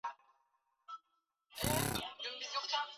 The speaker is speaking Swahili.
na wanahaki ya kutaka serikali watakayo